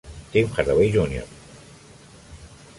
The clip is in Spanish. Tim Hardaway Jr.